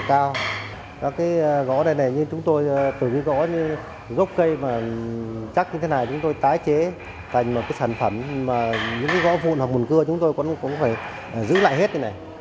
các cái gỗ này này như chúng tôi tưởng như gỗ như rốc cây mà chắc như thế này chúng tôi tái chế thành một cái sản phẩm mà những cái gỗ vùn hoặc vùn cưa chúng tôi cũng phải giữ lại hết như này